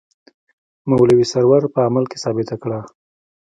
مولوي سرور په عمل کې ثابته کړه.